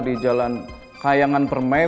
di jalan kayangan permai